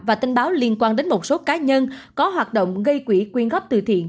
và tin báo liên quan đến một số cá nhân có hoạt động gây quỹ quyên góp từ thiện